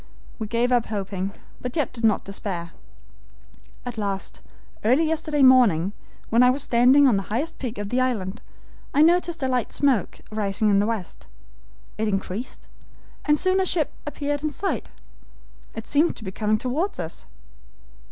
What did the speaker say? We gave up hoping, but yet did not despair. At last, early yesterday morning, when I was standing on the highest peak of the island, I noticed a light smoke rising in the west. It increased, and soon a ship appeared in sight. It seemed to be coming toward us.